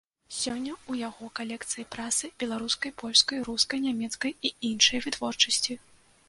Сёння ў яго калекцыі прасы беларускай, польскай, рускай, нямецкай і іншай вытворчасці.